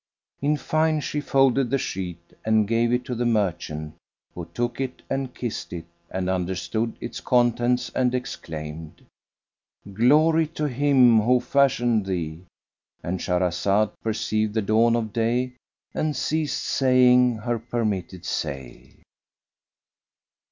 In fine, she folded the sheet and gave it to the merchant, who took it and kissed it and understood its contents and exclaimed, "Glory to Him who fashioned thee!"—And Shahrazad perceived the dawn of day and ceased saying her permitted say.